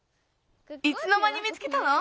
いつのまに見つけたの？